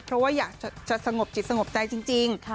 เพราะว่าอยากจะสงบจิตสงบใจจริง